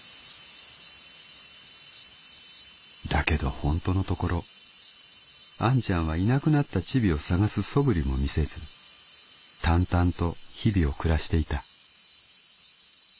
「だけどホントのところあんちゃんはいなくなったチビを探す素振りも見せず淡々と日々を暮らしていた」。